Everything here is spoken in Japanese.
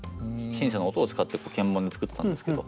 シンセの音を使って鍵盤で作ってたんですけど。